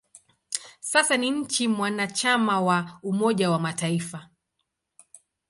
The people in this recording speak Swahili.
Sasa ni nchi mwanachama wa Umoja wa Mataifa.